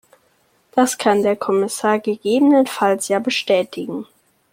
Das kann der Kommissar gegebenenfalls ja bestätigen.